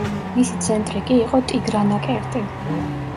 მისი ცენტრი კი იყო ტიგრანაკერტი.